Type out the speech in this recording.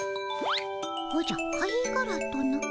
おじゃ貝がらとな？